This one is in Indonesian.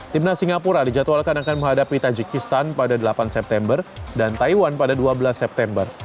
timnas singapura dijadwalkan akan menghadapi tajikistan pada delapan september dan taiwan pada dua belas september